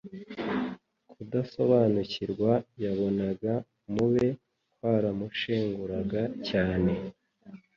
Kudasobanukirwa yabonaga mu be kwaramushenguraga cyane,